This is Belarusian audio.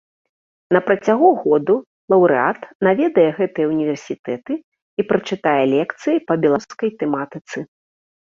На працягу году лаўрэат наведае гэтыя ўніверсітэты і прачытае лекцыі па беларускай тэматыцы.